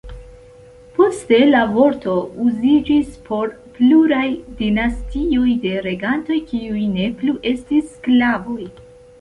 Poste la vorto uziĝis por pluraj dinastioj de regantoj, kiuj ne plu estis sklavoj.